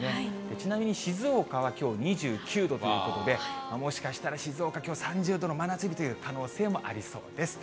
ちなみに静岡はきょう、２９度ということで、もしかしたら静岡、きょう３０度の真夏日という可能性もありそうです。